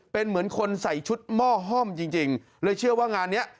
เป็นเหมือนคนใส่ชุดหม้อห้อมจริงจริงเลยเชื่อว่างานเนี้ย